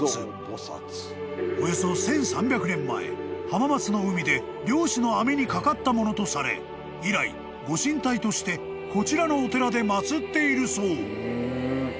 ［浜松の海で漁師の網にかかったものとされ以来御神体としてこちらのお寺で祭っているそう］